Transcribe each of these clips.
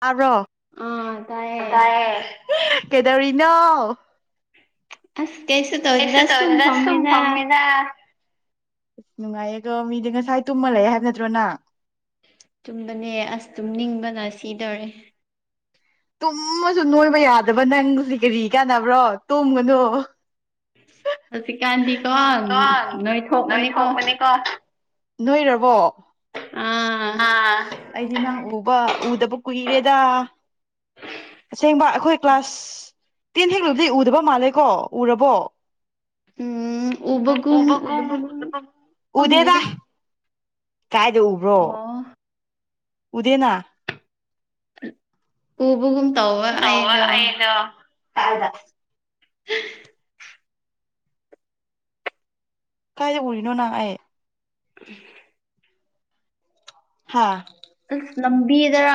ꯇꯥꯕ꯭ꯔꯣ ꯑꯥ ꯇꯥꯏꯌꯦ ꯇꯥꯢꯌꯦ ꯀꯩꯗꯧꯔꯤꯅꯣ ꯑꯁ ꯀꯩꯁꯨ ꯇꯧꯗꯦꯗ ꯁꯨꯝ ꯐꯝꯃꯦꯗ ꯑꯁ ꯅꯨꯡꯉꯥꯏꯌꯦꯀꯣ ꯃꯤꯗꯤ ꯉꯁꯥꯏ ꯇꯨꯝꯃ ꯂꯩꯑꯦ ꯍꯥꯏꯕ ꯅꯠꯇ꯭ꯔꯣ ꯅꯪ ꯇꯨꯝꯕꯅꯦ ꯑꯁ ꯇꯨꯝ ꯅꯤꯡꯕꯅ ꯁꯤꯗꯧꯔꯦ ꯇꯨꯝꯃꯁꯨ ꯅꯣꯏꯕ ꯌꯥꯗꯕ ꯅꯪꯁꯦ ꯀꯔꯤ ꯀꯥꯟꯅꯕ꯭ꯔꯣ ꯇꯨꯝꯒꯅꯣ ꯍꯧꯖꯤꯛꯀꯥꯟꯗꯤꯀꯣ ꯀꯣ ꯅꯣꯏ ꯊꯣꯛꯄꯅꯤꯀꯣ ꯅꯣꯏꯊꯣꯛꯄꯅꯤ ꯀꯣ ꯅꯣꯏꯔꯕꯣ ꯑꯥ ꯑ ꯑꯩꯗꯤ ꯅꯪ ꯎꯕ ꯎꯗꯕ ꯀꯨꯏꯔꯦꯗ ꯑꯁꯦꯡꯕ ꯑꯩꯈꯣꯏ ꯀ꯭ꯂꯥꯁ ꯇꯦꯟ ꯍꯦꯛ ꯂꯣꯢꯕꯗꯩ ꯎꯗꯕ ꯃꯥꯜꯂꯦꯀꯣ ꯎꯔꯕꯣ ꯎ ꯎꯝ ꯎꯕ ꯎꯕꯒꯨꯝ ꯎꯗꯕꯒꯨꯝ ꯎꯗꯦꯗ ꯈꯪꯗꯦꯗ ꯀꯥꯏꯗ ꯎꯕ꯭ꯔꯣ ꯑꯣ ꯎꯗꯦꯅꯥ ꯎꯕꯒꯨꯝ ꯇꯧꯑꯦ ꯑꯩꯗꯣ ꯀꯥꯏ ꯎꯔꯤꯅꯣ ꯅꯪ ꯑꯩ ꯍꯝꯝ ꯍꯥꯥ ꯑꯁ ꯂꯝꯕꯤꯗꯔ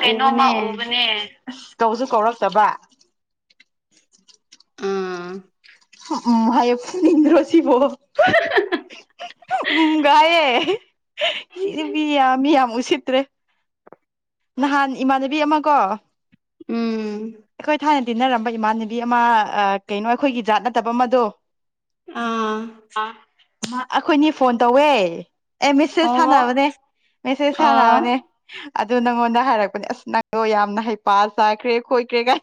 ꯀꯩꯅꯣꯝꯃ ꯎꯕꯅꯦ ꯑꯁ ꯀꯧꯁꯨ ꯀꯧꯔꯛꯇꯕ ꯎꯝ ꯑꯝ ꯍꯥꯢꯌꯦ ꯐꯨꯅꯤꯡꯗ꯭ꯔꯣ ꯁꯤꯕꯣ ꯑꯝꯒ ꯍꯥꯢꯑꯦ ꯁꯤ ꯅꯨꯄꯤꯗꯤ ꯌꯥꯝ ꯃꯤ ꯌꯥꯝ ꯎꯁꯤꯠ ꯭ꯇꯔꯦ ꯅꯍꯥꯟ ꯏꯃꯥꯟꯅꯕꯤ ꯑꯃ ꯀꯣ ꯎꯝ ꯑꯩꯈꯣꯏ ꯊꯥꯏꯅ ꯇꯤꯟꯅꯔꯝꯕ ꯏꯃꯥꯟꯅꯕꯤ ꯑꯃ ꯀꯩꯅꯣ ꯑꯩꯈꯣꯏꯒꯤ ꯖꯥꯠ ꯅꯠꯇꯕ ꯑꯃꯗꯣ ꯑꯥ ꯑꯥ ꯑꯩꯈꯣꯏꯅꯤ ꯐꯣꯟ ꯇꯧꯋꯦ ꯑꯦ ꯃꯦꯁꯦꯖ ꯑꯣ ꯊꯥꯟꯅꯕꯅꯦ ꯃꯦꯁꯦꯖ ꯑꯣ ꯊꯥꯟꯅꯕꯅꯦ ꯑꯗꯨ ꯅꯪꯉꯣꯟꯗ ꯍꯥꯏꯔꯛꯄꯅꯦ ꯑꯁ ꯅꯪꯗꯣ ꯌꯥꯝꯅ ꯍꯩꯄꯥ ꯆꯥꯈ꯭ꯔꯦ ꯑꯩꯈꯣꯏ ꯀꯦꯒ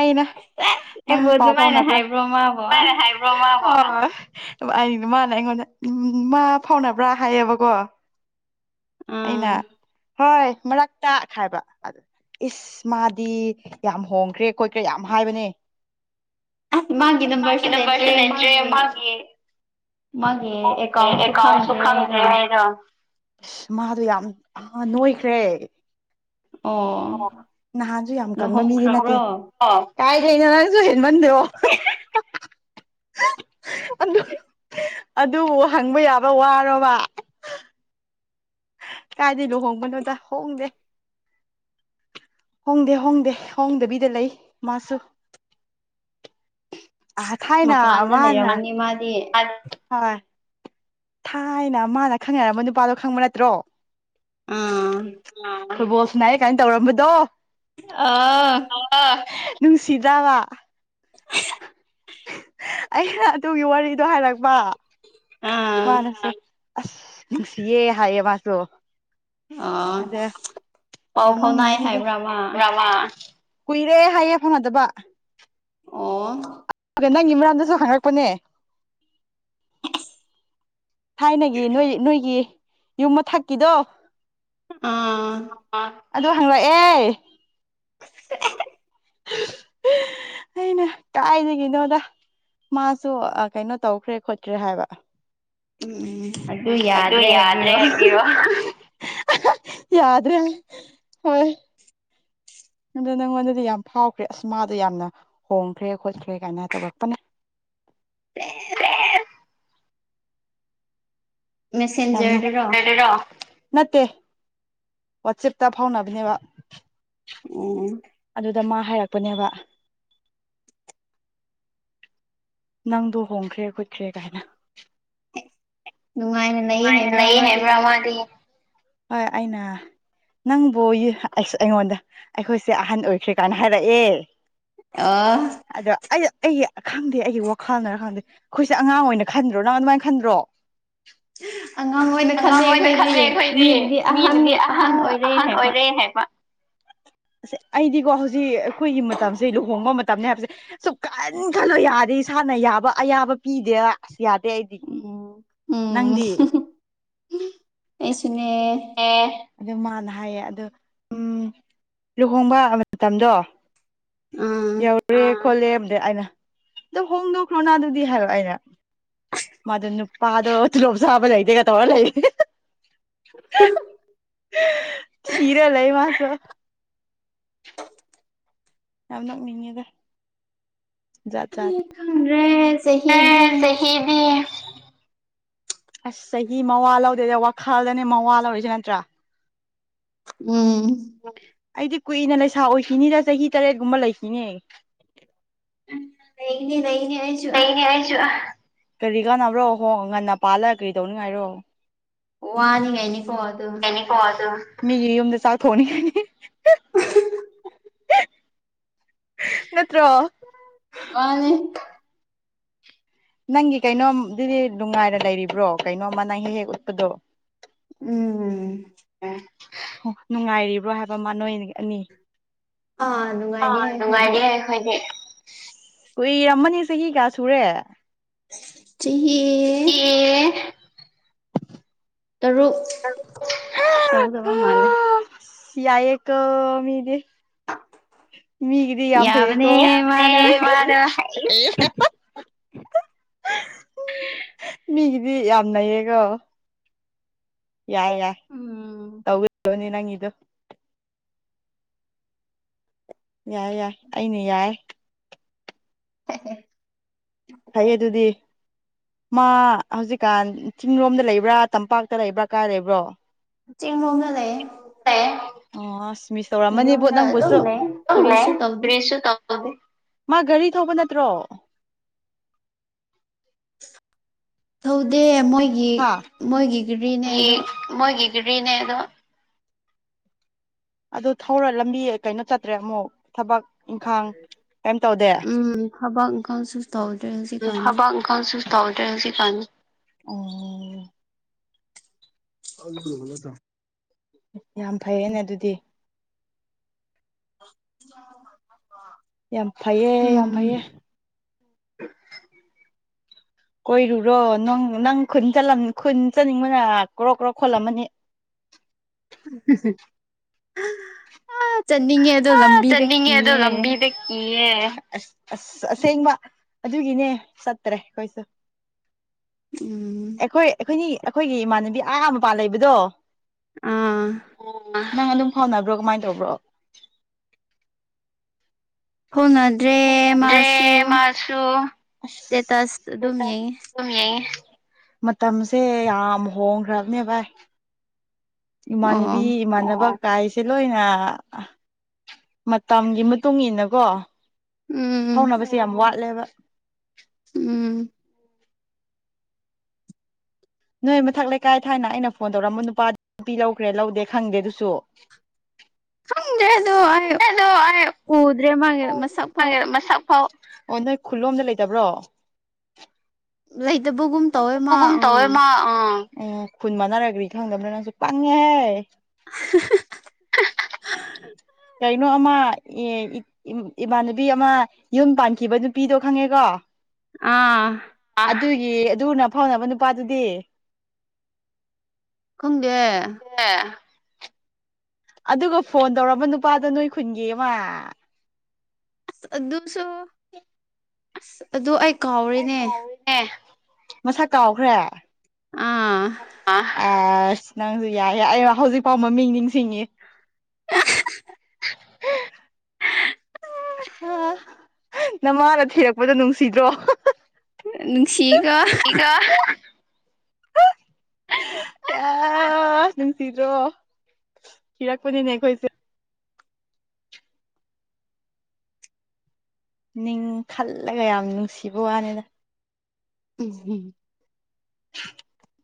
ꯑꯩꯅ ꯅꯪ ꯑꯩꯕꯨ ꯄꯥꯎ ꯑꯗꯨꯃꯥꯏꯅ ꯐꯥꯎꯅꯕ꯭ꯔꯥ ꯍꯥꯏꯕ꯭ꯔꯣ ꯃꯥꯕꯣ ꯑꯁ [unintelligible] ꯑ ꯑꯩ ꯃꯥꯅ ꯑꯩꯉꯣꯟꯗ ꯃꯥ ꯐꯥꯎꯅꯕ꯭ꯔꯥ ꯍꯥꯏꯌꯦꯕꯀꯣ ꯑꯥ ꯑꯩꯅ ꯍꯣꯏ ꯃꯔꯛꯇ ꯍꯥꯏꯕ ꯑꯗꯨ ꯏꯁ ꯃꯥꯗꯤ ꯌꯥꯝ ꯍꯣꯡꯈ꯭ꯔꯦ ꯈꯣꯠꯈ꯭ꯔꯦ ꯌꯥꯝ ꯍꯥꯏꯕꯅꯦ ꯃꯥꯒꯤ ꯅꯝꯕꯔꯁꯨ ꯂꯩꯇ꯭ꯔꯦ ꯃꯥꯒꯤ ꯑꯦꯀꯥꯎꯟꯁꯨ ꯈꯪꯗ꯭ꯔꯦ ꯑꯩꯗꯣ ꯑꯁ ꯃꯥꯗꯣ ꯌꯥꯝ ꯅꯣꯏꯈ꯭ꯔꯦ ꯑꯣ ꯅꯍꯥꯟꯁꯨ ꯌꯥꯝ ꯀꯪꯕ ꯃꯤꯗꯤ ꯅꯠꯇꯦ ꯂꯨꯍꯣꯡꯈ꯭ꯔꯕ꯭ꯔꯣ ꯀꯥꯏꯗꯩꯅꯣ ꯅꯪꯁꯨ ꯍꯦꯟꯃꯟꯗ꯭ꯔꯣ ꯑꯗꯨ ꯑꯗꯨꯕꯨ ꯍꯪꯕ ꯌꯥꯕ ꯋꯥꯔꯣꯔꯕ ꯀꯥꯏꯗ ꯂꯨꯍꯣꯡꯕꯅꯣꯗ ꯍꯣꯡꯗꯦ ꯍꯣꯡꯗꯦ ꯍꯣꯡꯗꯦ ꯍꯣꯡꯗꯕꯤꯗ ꯂꯩ ꯃꯥꯁꯨ ꯑ ꯊꯥꯏꯅ ꯃꯄꯥꯟꯗ ꯃꯥꯅ ꯂꯩꯔꯝꯒꯅꯤ ꯃꯥꯗꯤ ꯍꯣꯏ ꯊꯥꯏꯅ ꯃꯥꯅ ꯈꯪꯅꯔꯝꯕ ꯅꯨꯄꯥꯗꯣ ꯈꯪꯕ ꯅꯠꯇ꯭ꯔꯣ ꯑꯥ ꯅꯩꯑꯦ ꯀꯥꯏꯅ ꯇꯧꯔꯝꯕꯗꯣ ꯑꯥ ꯅꯨꯡꯁꯤꯗ꯭ꯔꯥꯕ ꯑꯩꯅ ꯑꯗꯨꯒꯤ ꯋꯥꯔꯤꯗꯣ ꯍꯥꯏꯔꯛꯄ ꯑꯥ ꯃꯥꯅꯁꯨ ꯑꯁ ꯅꯨꯡꯁꯤꯌꯦ ꯍꯥꯏꯌꯦ ꯃꯥꯁꯨ ꯑꯥ ꯑꯗ ꯄꯥꯎ ꯌꯥꯝ ꯐꯥꯎꯅꯥꯏ ꯅꯣꯛꯅꯤꯡꯕꯅꯤꯗ ꯍꯥꯏꯕ꯭ꯔꯥ ꯃꯥ ꯕ꯭ꯔꯃꯥ ꯀꯨꯏꯔꯦ ꯍꯥꯏꯌꯦ ꯐꯥꯎꯅꯗꯕ ꯑꯣ ꯑꯗꯨꯒ ꯅꯪꯒꯤ ꯃꯔꯔꯝꯗꯁꯨ ꯍꯪꯪꯂꯛꯄꯅꯦ ꯊꯥꯏꯅꯒꯤ ꯅꯣꯏ ꯅꯣꯏꯒꯤ ꯌꯨꯝ ꯃꯊꯛꯀꯤꯗꯣ ꯑꯥ ꯑ ꯑꯗꯨ ꯍꯪꯪꯂꯛꯑꯦ [unintelligible] ꯑꯩꯅ ꯀꯥꯏꯗꯩꯅꯣꯗ ꯃꯥꯁꯨ ꯀꯩꯅꯣ ꯇꯧꯈ꯭ꯔꯦ ꯈꯣꯠꯈ꯭ꯔꯦ ꯍꯥꯏꯕ ꯑꯗꯨ ꯌꯥꯗ꯭ꯔꯦ ꯍꯥꯏꯕꯤꯔꯣ ꯌꯥꯗ꯭ꯔꯦ ꯍꯣꯏ ꯑ ꯅꯪꯉꯣꯟꯗꯗꯤ ꯌꯥꯝ ꯐꯥꯎꯈ꯭ꯔꯦ ꯑꯁ ꯃꯥꯗꯣ ꯌꯥꯝꯅ ꯍꯣꯡꯈ꯭ꯔꯦ ꯈꯣꯠꯈ꯭ꯔꯦ ꯀꯥꯏꯅ ꯇꯧꯔꯛꯄꯅꯦ ꯑꯦ ꯌꯥꯝ ꯃꯦꯁꯦꯟꯖꯔꯗꯨꯔꯣ [unintelligible] ꯅꯠꯇꯦ ꯋꯥꯆꯦꯞꯇ ꯐꯥꯎꯅꯕꯅꯦꯕ ꯎꯝ ꯑꯗꯨꯗ ꯃꯥ ꯍꯥꯏꯔꯛꯄꯅꯦꯕ ꯅꯪꯗꯣ ꯍꯣꯡꯈ꯭ꯔꯦ ꯈꯣꯠꯈ꯭ꯔꯦ ꯀꯥꯏꯅ ꯅꯨꯡꯉꯥꯏꯅ ꯂꯩꯌꯦꯕ꯭ꯔꯥ ꯃꯥꯗꯤ ꯍꯣꯏ ꯑꯩꯅ ꯅꯪꯕꯨ ꯑꯁ ꯑꯩꯉꯣꯟꯗ ꯑꯩꯈꯣꯏꯁꯦ ꯑꯍꯟ ꯑꯣꯏꯈ꯭ꯔꯦ ꯀꯥꯏꯅ ꯍꯥꯏꯔꯛꯑꯦ ꯑꯥ ꯑꯗ ꯑꯩ ꯑꯩꯒꯤ ꯈꯪꯗꯦ ꯑꯩꯒꯤ ꯋꯥꯈꯜꯅꯔ ꯈꯪꯗꯦ ꯑꯩꯈꯣꯏꯁꯦ ꯑꯉꯥꯡ ꯑꯣꯏꯅ ꯈꯟꯗ꯭ꯔꯣ ꯅꯪ ꯑꯗꯨꯃꯥꯏꯅ ꯈꯟꯗ꯭ꯔꯣ ꯑꯉꯥꯡ ꯑꯣꯏꯅ ꯑꯉꯥꯡ ꯈꯜꯂꯦ ꯑꯣꯏꯅ ꯑꯩꯈꯣꯏꯗꯤ ꯈꯟꯂꯩ ꯑꯩꯈꯣꯏꯗꯤ ꯃꯤꯅꯗꯤ ꯑꯍꯟ ꯃꯤꯅꯗꯤ ꯑꯍꯟ ꯑꯣꯏꯔꯦ ꯑꯍꯟ ꯍꯥꯏꯕ ꯑꯣꯏꯔꯦ ꯍꯥꯏꯕ ꯑꯁ ꯑꯩꯗꯤꯀꯣ ꯍꯧꯖꯤꯛ ꯑꯩꯈꯣꯏꯒꯤ ꯃꯇꯝꯁꯦ ꯂꯨꯍꯣꯡꯕ ꯃꯇꯝꯅꯦ ꯍꯥꯏꯕꯁꯦ ꯁꯨ ꯀꯟ ꯈꯜꯂꯣ ꯌꯥꯗꯦ ꯏꯁꯥꯅ ꯌꯥꯕ ꯑꯌꯥꯕ ꯄꯤꯗꯦ ꯌꯥꯗꯦ ꯑꯩꯗꯤ ꯅꯪꯗꯤ ꯑꯦꯁꯨꯅꯦ ꯑꯦ ꯑꯗꯨ ꯃꯥꯅ ꯍꯥꯏꯌꯦ ꯑꯗꯣ ꯎꯝ ꯂꯨꯍꯣꯡꯕ ꯃꯇꯝꯗꯣ ꯎꯝ ꯌꯎꯔꯦ ꯈꯣꯠꯂꯦ ꯑꯩꯅ ꯅꯪ ꯍꯣꯡꯗꯣꯛꯈ꯭ꯔꯣꯅꯥꯗꯨꯗꯤ ꯍꯥꯏꯕ ꯑꯩꯅ ꯃꯗꯨ ꯅꯨꯄꯥ ꯑꯗꯣ ꯇꯣꯂꯣꯞꯆꯥꯕ ꯂꯩꯇꯦꯅ ꯇꯧ ꯂꯩꯔꯦ ꯊꯝꯃꯒ ꯂꯩꯕꯅꯤ ꯃꯥꯁꯨ ꯌꯥꯝ ꯅꯣꯛꯅꯤꯡꯉꯤꯗ ꯖꯥꯠ ꯖꯥꯠꯅꯤ ꯈꯪꯗ꯭ꯔꯦ ꯆꯍꯤꯗꯤ ꯑꯦ ꯆꯍꯤꯗꯤ ꯑꯁ ꯆꯍꯤ ꯃꯋꯥ ꯂꯧꯗꯦꯗ ꯋꯥꯈꯜꯗꯅꯦ ꯃꯋꯥ ꯂꯧꯔꯤꯁꯦ ꯅꯠꯇ꯭ꯔꯥ ꯎꯝ ꯑꯩꯗꯤ ꯀꯨꯏꯅ ꯂꯩꯁꯥ ꯑꯣꯏꯈꯤꯅꯤꯗ ꯆꯍꯤ ꯇꯔꯦꯠꯀꯨꯝꯕ ꯂꯩꯈꯤꯅꯤ ꯂꯩꯒꯅꯤ ꯂꯩꯒꯅꯤ ꯑꯩꯁꯨ ꯂꯩꯅꯦ ꯑꯩꯁꯨ ꯀꯔꯤ ꯀꯥꯟꯅꯕ꯭ꯔꯣ ꯍꯣꯉꯒ ꯄꯥꯜꯂꯒ ꯀꯔꯤ ꯇꯧꯅꯤꯡꯉꯥꯏꯔꯣ ꯋꯥꯅꯤꯉꯥꯏꯅꯤ ꯃꯤꯒꯤ ꯌꯨꯝꯗ ꯆꯥꯛ ꯊꯣꯡꯅꯤꯡꯉꯥꯏꯅꯤ ꯅꯠꯇ꯭ꯔꯣ ꯃꯥꯅꯤ ꯅꯪꯒꯤ ꯀꯩꯅꯣꯝꯗꯨꯗꯤ ꯅꯨꯡꯉꯥꯏꯔ ꯂꯩꯔꯤꯕ꯭ꯔꯣ ꯀꯩꯅꯣꯝꯃ ꯅꯪ ꯍꯦꯛ ꯍꯦꯛ ꯎꯠꯄꯗꯣ ꯎꯝ ꯎꯝ ꯑꯦ ꯅꯨꯡꯉꯥꯏꯔꯤꯕ꯭ꯔꯣ ꯍꯥꯏꯕ ꯃꯥ ꯅꯣꯏ ꯑꯅꯤ ꯑꯥ ꯅꯨꯡꯉꯥꯏꯔꯦ ꯑꯥ ꯑꯩꯈꯣꯏꯗꯤ ꯅꯨꯡꯉꯥꯏꯔꯤꯌꯦ ꯑꯩꯈꯣꯏꯗꯤ ꯀꯨꯏꯔꯝꯃꯅꯤ ꯆꯍꯤ ꯀꯌꯥ ꯁꯨꯔꯦ ꯆꯍꯤ ꯆꯍꯤ ꯇꯔꯨꯛ ꯇꯧꯗꯧꯕ ꯃꯥꯜꯂꯦ ꯑꯁ ꯌꯥꯏꯌꯦꯀꯣ ꯃꯤꯗꯤ ꯃꯤꯒꯤꯗꯤ ꯌꯥꯝ ꯐꯩꯌꯦꯀꯣ ꯌꯥꯕꯅꯦ ꯃꯥꯗꯣ ꯌꯥꯕꯅꯦ ꯍꯩꯁ ꯃꯥꯗꯣ ꯍꯩ ꯍ ꯃꯤꯒꯤꯗꯤ ꯌꯥꯝ ꯅꯩꯌꯦꯒꯣ ꯌꯥꯏ ꯌꯥꯏ ꯎꯝ ꯇꯧꯏ ꯂꯣꯅꯤ ꯅꯪꯒꯤꯗꯨ ꯌꯥꯏ ꯌꯥꯏ ꯑꯩꯅ ꯌꯥꯏ ꯍꯦ ꯍꯦ ꯐꯩꯌꯦ ꯑꯗꯨꯗꯤ ꯃꯥ ꯍꯧꯖꯤꯛꯀꯥꯟ ꯆꯤꯡꯔꯣꯝꯗ ꯂꯩꯕ꯭ꯔꯥ ꯇꯝꯄꯥꯛꯇ ꯂꯩꯕ꯭ꯔꯥ ꯀꯥꯏ ꯂꯩꯕ꯭ꯔꯣ ꯆꯦꯡꯔꯣꯝꯗ ꯂꯩꯌꯦ ꯑꯣ ꯑꯁ ꯃꯤꯁ ꯇꯧꯔꯝꯃꯅꯤꯕꯨ ꯌꯨꯝꯗ ꯑꯗꯨꯝ ꯅꯪꯕꯨꯁꯨ ꯂꯩ ꯌꯦ ꯀꯔꯤꯁꯨ ꯇꯧꯗꯦ ꯀ꯭ꯔꯤꯁꯨ ꯇꯧ ꯇꯧꯗꯦ ꯃꯥ ꯒꯔꯤ ꯊꯧꯕ ꯅꯠꯇ꯭ꯔꯣ ꯊꯧꯗꯦ ꯃꯣꯏꯒꯤ ꯍꯥ ꯃꯣꯏꯒꯤ ꯒꯔꯤꯅꯦ ꯃꯣꯏꯒꯤ ꯑꯗꯣ ꯃꯣꯏꯒꯤ ꯒꯔꯤꯅꯦ ꯑꯗꯣ ꯑꯗꯨ ꯊꯧꯔ ꯂꯝꯕꯤ ꯀꯩꯅꯣ ꯆꯠꯇ꯭ꯔꯦ ꯑꯃꯨꯛ ꯊꯕꯛ ꯏꯪꯈꯥꯡ ꯀꯩꯝ ꯇꯧꯗꯦ ꯎꯝ ꯊꯕꯛ ꯏꯪꯈꯥꯡꯁꯨ ꯇꯧꯗ꯭ꯔꯦ ꯎꯝ ꯍꯧꯖꯤꯛꯀꯥꯟꯗꯤ ꯊꯕꯛ ꯏꯪꯈꯥꯡꯁꯨ ꯇꯧꯗ꯭ꯔꯦ ꯍꯧꯖꯤꯛꯀꯥꯟ ꯑꯣ [unintelligible] ꯌꯥꯝ ꯐꯩꯌꯦꯅꯦ ꯑꯗꯨꯗꯤ [inaudible] ꯌꯥꯝ ꯐꯩꯌꯦ ꯌꯥꯝ ꯎꯝ ꯐꯩꯌꯦ [inaudible] ꯀꯣꯏꯔꯨꯔꯣ ꯅꯣꯡ ꯅꯪ ꯈꯨꯟ ꯆꯂꯝ ꯈꯨꯟ ꯆꯠꯅꯤꯡꯕꯅ ꯀ꯭ꯔꯣꯛ ꯀ꯭ꯔꯣꯛ ꯈꯣꯠꯂꯝꯃꯅꯤ ꯏꯍꯤ ꯍꯤ ꯑꯥ ꯆꯠꯅꯤꯡꯉꯦ ꯑꯗꯣ ꯂꯝꯕꯤꯗꯤ ꯀꯤꯌꯦ ꯑꯦ ꯑꯁ ꯑꯁ ꯑꯁꯦꯡꯕ ꯑꯗꯨꯒꯤꯅꯦ ꯆꯠꯇꯔꯦ ꯑꯩꯈꯣꯏꯁꯨ ꯎꯝ ꯑꯩꯈꯣꯏ ꯑꯩꯈꯣꯏꯅꯤ ꯑꯩꯈꯣꯏꯒꯤ ꯏꯃꯥꯟꯅꯕꯤ ꯑꯥ ꯃꯄꯥꯥꯟ ꯂꯩꯕꯗꯣ ꯑꯥ ꯅꯪ ꯑꯗꯨꯝ ꯐꯥꯎꯅꯕ꯭ꯔꯣ ꯀꯃꯥꯏꯟ ꯇꯧꯕ꯭ꯔꯣ ꯐꯥꯎꯅꯗ꯭ꯔꯦ ꯐꯥꯎꯅꯗꯦ ꯃꯥꯁꯨ ꯃꯥꯁꯨ ꯑꯗꯨꯝ ꯁ꯭ꯇꯦꯇꯁ ꯌꯦꯡꯉꯦ ꯑꯗꯨꯝ ꯌꯦꯡꯉꯤ ꯃꯇꯝꯁꯦ ꯌꯥꯝ ꯍꯣꯡꯈ꯭ꯔꯕꯅꯦ ꯚꯥꯏ ꯏꯃꯥꯟꯅꯕꯤ ꯑꯣ ꯏꯃꯥꯟꯅꯕ ꯀꯥꯏꯁꯦ ꯂꯣꯏꯅ ꯃꯇꯝꯒꯤ ꯃꯇꯨꯡ ꯏꯟꯅꯀꯣ ꯎꯝ ꯐꯥꯎꯅꯕꯁꯦ ꯌꯥꯝ ꯋꯥꯠꯂꯦꯕ ꯎꯝ ꯅꯣꯏ ꯃꯊꯛ ꯂꯩꯀꯥꯏ ꯊꯥꯏꯅ ꯑꯩꯅ ꯐꯣꯟ ꯇꯧꯔꯛꯝꯕ ꯅꯨꯄꯥ ꯅꯨꯄꯤ ꯂꯧꯈ꯭ꯔꯦ ꯂꯧꯗꯦ ꯈꯪꯗꯦ ꯑꯗꯨꯁꯨ ꯈꯪꯗ꯭ꯔꯦ ꯑꯗꯣ ꯑꯩ ꯈꯪꯗꯦ ꯑꯗꯣ ꯎꯗ꯭ꯔꯦ ꯃꯥꯒꯤ ꯃꯁꯛ ꯐꯥꯎ ꯑꯩ ꯃꯁꯛꯐꯥꯎ ꯑꯣ ꯅꯣꯏ ꯈꯨꯜꯂꯣꯝꯗ ꯂꯩꯇꯕ꯭ꯔꯣ ꯂꯩ ꯂꯩꯇꯕꯒꯨꯝ ꯇꯧꯌꯦ ꯃꯥ ꯑꯥ ꯎꯝ ꯈꯨꯟ ꯃꯥꯟꯅꯔꯒ꯭ꯔꯤ ꯈꯪꯗꯕꯅꯣ ꯅꯪꯁꯨ ꯄꯪꯉꯦꯍꯦ ꯍꯤ ꯍꯤ ꯀꯩꯅꯣ ꯑꯃ ꯑꯦ ꯏ ꯏꯃꯥꯟꯅꯕꯤ ꯑꯃ ꯌꯨꯝ ꯄꯥꯟꯈꯤꯕ ꯅꯨꯄꯤꯗꯣ ꯈꯪꯉꯦꯀꯣ ꯑꯥ ꯑꯗꯨꯒꯤ ꯑꯗꯨꯅ ꯐꯥꯎꯅꯕ ꯅꯨꯄꯥꯗꯨꯗꯤ ꯈꯪꯗꯦ ꯑꯗꯨꯒ ꯐꯣꯟ ꯇꯧꯔꯝꯕ ꯅꯨꯄꯥꯗꯣ ꯅꯣꯏ ꯈꯨꯟꯒꯤꯃꯥ ꯑꯁ ꯑꯗꯨꯁꯨ ꯑꯁ ꯑꯗꯨ ꯑꯩ ꯑꯩ ꯀꯥꯎꯔꯦꯅꯦ ꯀꯥꯎꯏꯅꯦ ꯃꯁꯥꯛ ꯀꯥꯎꯈ꯭ꯔꯦ ꯑ ꯑꯥ ꯑ ꯑꯁ ꯅꯪꯁꯨ ꯌꯥꯏ ꯑꯩ ꯍꯧꯖꯤꯛꯐꯥꯎ ꯃꯃꯤꯡ ꯅꯤꯡꯁꯤꯡꯉꯤ ꯅꯃꯥꯅ ꯊꯤꯔꯛꯄꯗꯣ ꯅꯨꯡꯁꯤꯗ꯭ꯔꯣ ꯅꯨꯡꯁꯤꯀꯣ ꯑꯥ ꯁꯤꯗꯔꯣ ꯀꯤꯔꯛꯄꯅꯤꯅꯦ ꯑꯩꯈꯣꯏꯁꯨ ꯅꯤꯡ ꯈꯜꯂꯒ ꯌꯥꯝ ꯅꯨꯡꯁꯤꯕ ꯋꯥꯅꯤꯗ ꯎꯝ ꯎꯝ [inaudible]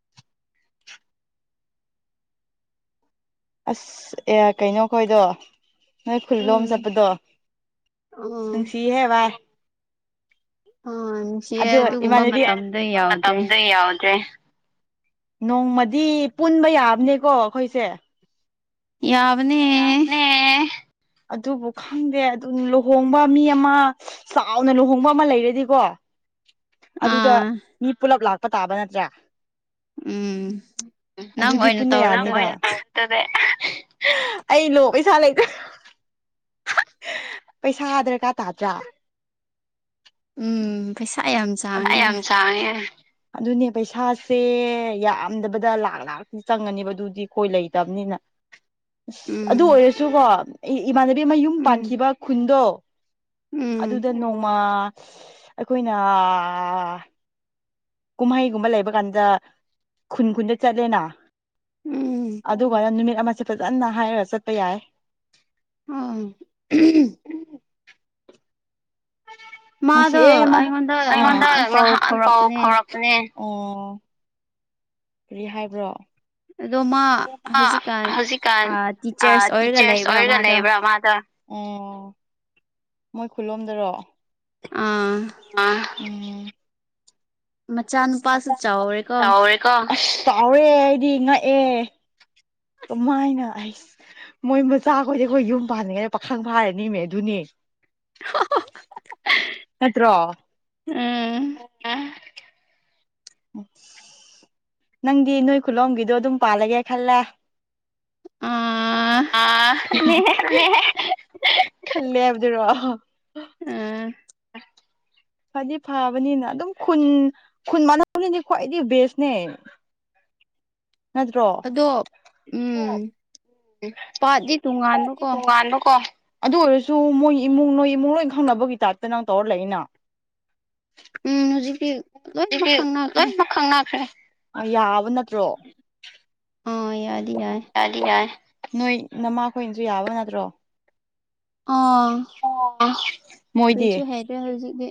ꯑꯁ ꯑꯦ ꯀꯩꯅꯣ ꯈꯣꯏꯗꯣ ꯅꯣꯏ ꯈꯨꯜꯂꯣꯝ ꯎꯝ ꯆꯠꯄꯗꯣ ꯑꯣ ꯅꯨꯡꯁꯤꯍꯦ ꯚꯥꯏ ꯑꯥ ꯅꯨꯡꯁꯤꯌꯦ ꯑꯗꯨ ꯑꯗꯨꯒꯨꯝꯕ ꯏꯃꯥꯟꯅꯕꯤ ꯃꯇꯝꯗꯣ [inaudible] ꯌꯥꯎꯗ꯭ꯔꯦ ꯃꯇꯝꯗ ꯌꯥꯎꯗ꯭ꯔꯦ ꯅꯣꯡꯃꯗꯤ ꯄꯨꯟꯕ ꯌꯥꯕꯅꯦꯀꯣ ꯑꯩꯈꯣꯏꯁꯦ ꯌꯥꯕꯅꯦ ꯌꯥꯕꯅꯦ ꯑꯗꯨꯕꯨ ꯈꯪꯗꯦ ꯑꯗꯨ ꯂꯨꯍꯣꯡꯕ ꯃꯤ ꯑꯃ ꯆꯥꯎꯅ ꯂꯨꯍꯣꯡꯕ ꯑꯃ ꯂꯩꯔꯗꯤꯀꯣ ꯑꯗꯨꯗ ꯑꯥ ꯃꯤ ꯄꯨꯂꯞ ꯂꯥꯛꯄ ꯇꯥꯕ ꯅꯠꯇ꯭ꯔ ꯎꯝ ꯅꯪ ꯑꯗꯨꯗꯤ ꯑꯣꯏꯅ ꯄꯨꯟꯕ ꯇꯧꯔ ꯌꯥꯅꯤꯅ ꯑꯗꯨꯗꯤ [unintelligible] ꯑꯩ ꯂꯣ ꯄꯩꯁꯥ ꯂꯩꯇꯕ ꯄꯩꯁꯥ ꯍꯥ ꯗ꯭ꯔꯀꯥ ꯇꯥꯗ꯭ꯔꯥ ꯎꯝ ꯄꯩꯁꯥ ꯌꯥꯝ ꯆꯥꯡꯉꯦ [unintelligible] ꯑꯗꯨꯅꯦ ꯄꯩꯁꯥꯁꯦ ꯌꯥꯝꯗꯕꯗ ꯂꯥꯛ ꯂꯥꯛꯇꯤ ꯆꯪꯉꯅꯤꯕ ꯑꯗꯨꯗꯤ ꯀꯣꯏ ꯂꯩꯇꯕꯅꯤꯅ [inaudible] ꯑꯁ ꯑꯗꯨ ꯎꯝ ꯑꯣꯏꯔꯁꯨ ꯀꯣ ꯏꯃꯥꯟꯅꯕꯤ ꯑꯃ ꯌꯨꯝ ꯎꯝ ꯄꯥꯟꯈꯤꯕ ꯈꯨꯟꯗꯣ ꯎꯝ ꯑꯗꯨꯗ ꯅꯣꯡꯃ ꯑꯩꯈꯣꯏꯅ ꯀꯨꯝꯍꯩꯒꯨꯝꯕ ꯂꯩꯕ ꯀꯥꯟꯗ ꯈꯨꯟ ꯈꯨꯟꯗ ꯆꯠꯂꯦꯅ ꯎꯝ ꯑꯗꯨꯒꯅ ꯅꯨꯃꯤꯠ ꯑꯃꯁꯦ ꯐꯖꯅ ꯍꯥꯏꯔꯒ ꯆꯠꯄ ꯌꯥꯏ ꯑꯥ ꯃꯥꯗꯣ ꯅꯨꯡꯁꯤꯑꯦ ꯑꯃ ꯑꯩꯉꯣꯟꯗ ꯉꯍꯥꯟ ꯄꯥꯎ ꯉꯍꯥꯟ ꯄꯥꯎ ꯐꯥꯎꯔꯛꯄꯅꯦ ꯑꯣ ꯀꯔꯤ ꯍꯥꯏꯕ꯭ꯔꯣ ꯑꯗꯣ ꯃꯥ ꯑ ꯍꯧꯖꯤꯛꯀꯥꯟ ꯍꯧꯖꯤꯛꯀꯥꯟ ꯑꯥ ꯑꯥ ꯇꯤꯆꯔꯁ ꯑꯣꯏꯔꯒ ꯇꯤꯆꯔꯁ ꯂꯩꯕ꯭ꯔꯥ ꯑꯣꯏꯔꯒ ꯃꯥꯗꯣ ꯂꯩꯕ꯭ꯔꯥ ꯃꯥꯗ ꯑꯣ ꯃꯣꯏ ꯈꯨꯜꯂꯣꯝꯗꯔꯣ ꯑꯥ ꯑꯥ ꯎꯝ ꯃꯆꯥꯅꯨꯄꯥꯁꯨ [unintelligible] ꯆꯥꯎꯔꯦꯀꯣ ꯆꯥꯎꯔꯦꯀꯣ ꯑꯁ ꯆꯥꯎꯔꯦ ꯑꯩꯗꯤ ꯉꯛꯑꯦ ꯀꯃꯥꯏꯅ ꯑꯩꯁ ꯃꯣꯏ ꯃꯆ ꯆꯥꯈꯣꯏꯗꯤ ꯑꯩꯈꯣꯏ ꯌꯨꯝ ꯄꯥꯅꯤꯡꯉꯦꯅ ꯄꯥꯈꯪ ꯐꯥꯔꯅꯤꯃꯦ ꯑꯗꯨꯅꯦ [unintelligible] ꯅꯠꯇ꯭ꯔꯣ ꯎꯝ ꯅꯪꯗꯤ ꯅꯣꯏ ꯈꯨꯂꯣꯝꯒꯤꯗꯣ ꯑꯗꯨꯝ ꯄꯥꯜꯂꯒꯦ ꯈꯜꯂꯦ ꯑꯥ ꯑꯥ ꯈꯜꯂꯦꯍꯦ ꯈꯜꯂꯦꯕ ꯗꯨꯔꯣ ꯎꯝ [inaudible] ꯐꯗꯤ ꯐꯕꯅꯤꯅ ꯑꯗꯨꯝ ꯈꯨꯟ ꯈꯨꯟ ꯃꯅꯥꯎꯅꯤꯗꯤ ꯈ꯭ꯋꯥꯏꯗꯤ ꯕꯦꯁꯅꯦ ꯅꯠꯇ꯭ꯔꯣ ꯑꯗꯣ ꯎꯝ ꯎ ꯄꯥꯠꯗꯤ ꯍꯣꯏ ꯏ ꯇꯣꯉꯥꯟꯕꯀꯣ ꯇꯣꯡꯉꯥꯟꯕꯀꯣ ꯑꯗꯨ ꯑꯣꯏꯔꯁꯨ ꯃꯣꯏ ꯏꯃꯨꯡ ꯅꯣꯏ ꯏꯃꯨꯡ ꯂꯣꯏ ꯈꯪꯅꯕꯒꯤ ꯇꯥꯏꯞꯇ ꯅꯪ ꯇꯧꯔꯂꯩꯅ ꯎꯝ ꯍꯧꯖꯤꯛꯇꯤ ꯂꯣꯏꯅꯃꯛ ꯑꯗꯨꯗꯤ ꯈꯪꯅꯈ꯭ꯔꯦ ꯂꯣꯏꯃꯛ ꯈꯪꯅꯈ꯭ꯔꯦ ꯑ ꯌꯥꯕ ꯅꯠꯇ꯭ꯔꯣ ꯑꯥ ꯌꯥꯗꯤ ꯌꯥꯏ ꯌꯥꯗꯤ ꯌꯥꯏ ꯅꯣꯏ ꯅꯃꯥꯈꯣꯏꯅꯁꯨ ꯌꯥꯕ ꯅꯠꯇ꯭ꯔꯣ ꯑꯥ ꯃꯣꯏꯗꯤ ꯀꯔꯤꯁꯨ ꯍꯩꯇ꯭ꯔꯦ ꯍꯧꯖꯤꯛꯇꯤ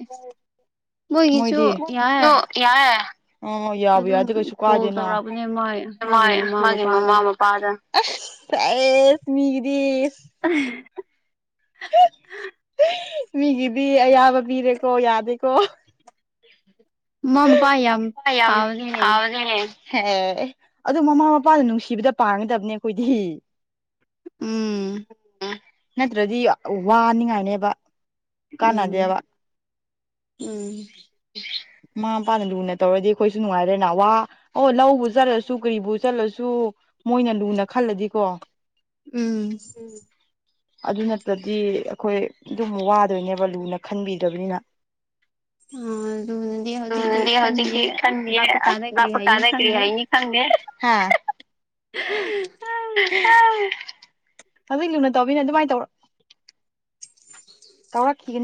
ꯃꯣꯏꯒꯤꯁꯨ ꯃꯣꯏꯗꯤ ꯃꯣꯏꯒꯤꯗꯨ ꯌꯥꯏ ꯌꯥꯑꯦ ꯑꯣ ꯌꯥꯕꯨ ꯑꯗꯨꯝ ꯌꯥꯔꯗꯤ ꯀꯩꯁꯨ ꯀꯣꯜ ꯀꯥꯏꯗꯦꯅꯥ ꯇꯧꯔꯛꯄꯅꯦ ꯃꯣꯏ ꯃꯥꯒꯤ ꯃꯃꯥ ꯃꯥꯒꯤ ꯃꯄꯥꯗ ꯃꯃꯥ ꯃꯄꯥꯗ ꯑꯩꯁ ꯇꯩꯁ ꯃꯤꯒꯤꯗꯤ ꯑꯍꯤ ꯃꯤꯒꯤꯗꯤ ꯑꯌꯥꯕ ꯄꯤꯔꯦꯀꯣ ꯌꯥꯗꯦꯀꯣ ꯃꯃꯥ ꯃꯄꯥ ꯌꯥꯝ ꯍ ꯌꯥꯝ ꯐꯕꯅꯦ ꯑꯦ ꯑꯗꯣ ꯃꯃꯥ ꯃꯄꯥꯅ ꯅꯨꯡꯁꯤꯕꯗ ꯄꯥꯡꯒꯗꯕꯅꯦ ꯑꯩꯈꯣꯏꯗꯤ ꯎꯝ ꯅꯠꯇ꯭ꯔꯗꯤ ꯋꯥꯅꯤꯡꯉꯥꯏꯅꯦꯕ ꯎꯝ ꯀꯥꯟꯅꯗꯦꯕ ꯎꯝ ꯃꯥ ꯃꯄꯥꯅ ꯂꯨꯅ ꯇꯧꯔꯗꯤ ꯑꯈꯣꯏꯁꯨ ꯅꯨꯡꯉꯥꯏꯔꯦꯅ ꯋꯥ ꯑꯣ ꯂꯧꯕꯨ ꯆꯠꯂꯖꯨ ꯀꯔꯤꯕꯨ ꯆꯠꯂꯖꯨ ꯎ ꯃꯣꯏꯅ ꯂꯨꯅ ꯈꯜꯂꯗꯤꯀꯣ ꯎꯝ ꯎꯝ ꯑꯗꯨ ꯅꯠꯇ꯭ꯔꯗꯤ ꯑꯈꯣꯏ ꯑꯗꯨꯝ ꯋꯥꯗꯣꯏꯅꯦꯕ ꯂꯨꯅ ꯈꯟꯕꯤꯗꯕꯅꯤꯅ ꯎꯝ ꯑꯗꯨꯅꯤ ꯍꯥꯟꯅꯗꯤ ꯍꯧꯖꯤꯛꯇꯤ ꯈꯟꯗꯤꯌꯦ ꯀꯥꯟꯗ ꯀꯔꯤ ꯍꯥꯏꯅꯤ ꯂꯥꯞꯄꯀꯥꯟꯗ ꯀꯔꯤ ꯈꯪꯗꯦ ꯍꯥꯏꯅꯤ ꯈꯪꯗꯦ ꯍꯥ ꯍꯝ ꯍꯥ ꯍꯧꯖꯤꯛ ꯂꯨꯅ ꯇꯧꯕꯤꯅ ꯑꯗꯨꯃꯥꯏ ꯇꯧꯔꯣ ꯇꯧꯔꯛꯈꯤꯒꯅꯤ